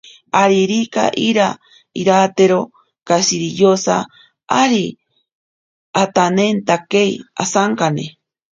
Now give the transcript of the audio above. Aririka iira iratero kashiyosa ari atanentakei asankane.